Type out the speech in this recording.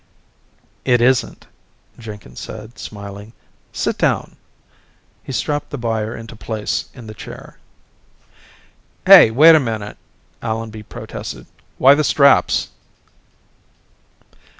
"It isn't," Jenkins said, smiling. "Sit down." He strapped the buyer into place in the chair. "Hey, wait a minute," Allenby protested. "Why the straps?"